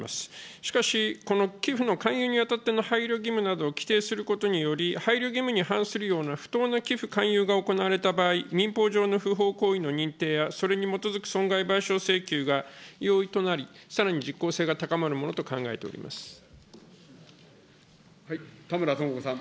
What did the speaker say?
しかし、この寄付の勧誘にあたっての配慮義務などを規定することにより、配慮義務に関するような不当な寄付勧誘が行われた場合、民法上の不法行為の認定や、それに基づく損害賠償請求が容易となり、さらに実効性が高まるも田村智子さん。